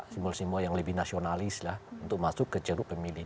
simbol simbol yang lebih nasionalis lah untuk masuk ke jeruk pemilih